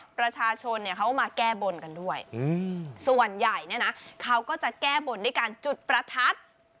ประชาชนเนี่ยเขาก็มาแก้บนกันด้วยส่วนใหญ่เนี่ยนะเขาก็จะแก้บนด้วยการจุดประทัด